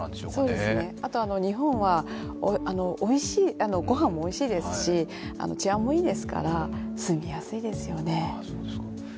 そうですね、あとは日本は、ごはんもおいしいですし治安もいいですから、住みやすいですよね。